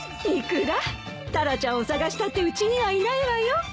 イクラタラちゃんを捜したってうちにはいないわよ。